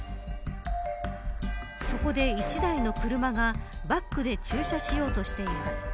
そこで１台の車がバックで駐車しようとしています。